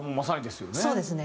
そうですね。